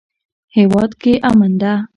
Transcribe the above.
هیواد کې امن ده